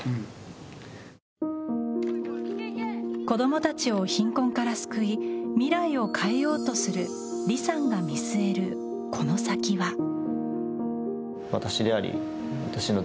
子供たちを貧困から救い未来を変えようとするリさんが見据えるこの先は。